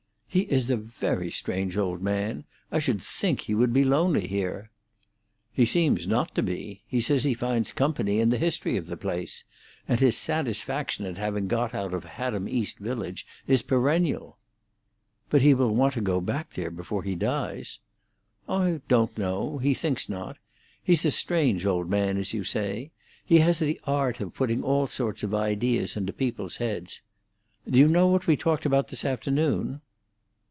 "He is a very strange old man. I should think he would be lonely here." "He seems not to be. He says he finds company in the history of the place. And his satisfaction at having got out of Haddam East Village is perennial." "But he will want to go back there before he dies." "I don't know. He thinks not. He's a strange old man, as you say. He has the art of putting all sorts of ideas into people's heads. Do you know what we talked about this afternoon?"